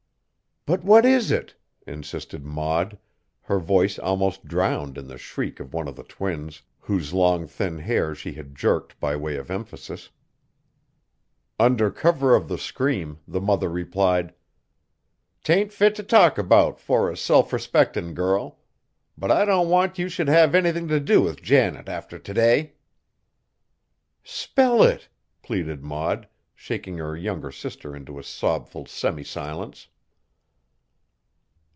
"But what is it?" insisted Maud, her voice almost drowned in the shriek of one of the twins, whose long thin hair she had jerked by way of emphasis. Under cover of the scream, the mother replied: "'T ain't fit t' talk about 'fore a self respectin' girl. But I don't want you should have anything t' do with Janet after t' day." "Spell it!" pleaded Maud, shaking her younger sister into a sobful semi silence.